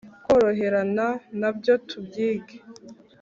Kworoherana nabyo tubyige